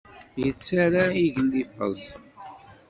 Yettara igellifeẓ.